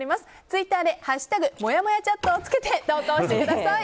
ツイッターで「＃もやもやチャット」をつけて投稿してください。